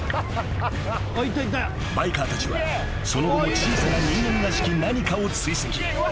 ［バイカーたちはその後も小さな人間らしき何かを追跡］